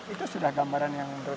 itu sudah gambaran yang menurut